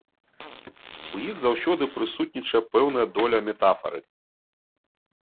У іх заўсёды прысутнічае пэўная доля метафары.